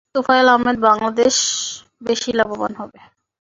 তোফায়েল আহমেদ বাংলাদেশ বেশি লাভবান হবে।